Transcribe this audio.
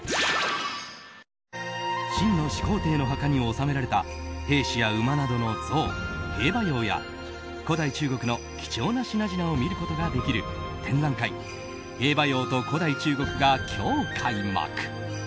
秦の始皇帝の墓に納められた兵士や馬などの像、兵馬俑や古代中国の貴重な品々を見ることができる展覧会「兵馬俑と古代中国」が今日開幕。